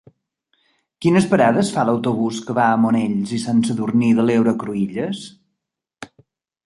Quines parades fa l'autobús que va a Monells i Sant Sadurní de l'Heura Cruïlles?